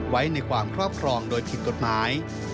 ไว้ในความครอบครองโดยผิดกฎหมาย